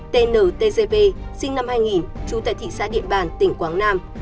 tntgv sinh năm hai nghìn trụ tại thị xã điện bàn tỉnh quảng nam